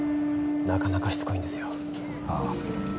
なかなかしつこいんですよああ